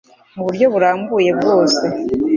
mu buryo burambuye bwose